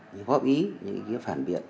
những hợp ý những ý kiến phản biệt